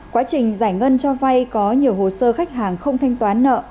quá trình giải ngân cho vay có nhiều hồ sơ khách hàng không thanh toán nợ